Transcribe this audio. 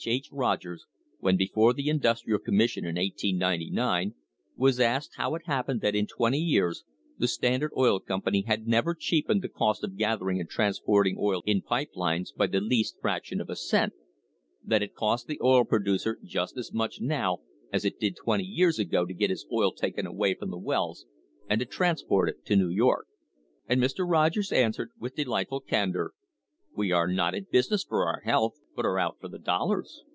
H. Rogers, when before the Industrial Com mission in 1899, was asked how it happened that in twenty years the Standard Oil Company had never cheapened the cost of gathering and transporting oil in pipe lines by the least fraction of a cent; that it cost the oil producer just as much now as it did twenty years ago to get his oil taken away from the wells and to transport it to New York. And Mr. Rogers answered, with delightful candour: "We are not in business for our health, but are out for the dollars."